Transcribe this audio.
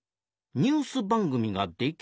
「ニュース番組ができるまで」？